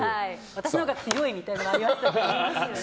私のほうが強いみたいなのはありますよね。